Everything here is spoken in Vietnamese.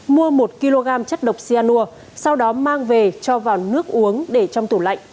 mua một kg chất độc xe nua sau đó mang về cho vào nước uống để trong tủ lạnh